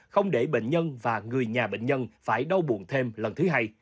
không để bệnh nhân và người nhà bệnh nhân phải đau buồn thêm lần thứ hai